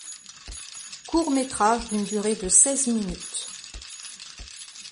Court-métrage d'une durée de seize minutes.